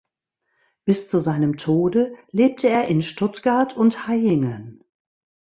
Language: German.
Bis zu seinem Tode lebte er in Stuttgart und Hayingen.